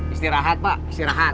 istirahat pak istirahat